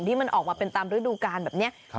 ที่มันออกมาเป็นตามฤดูการแบบนี้